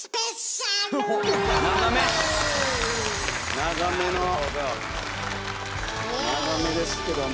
長めですけども。